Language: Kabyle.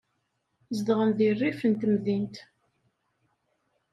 Zedɣen deg rrif n temdint.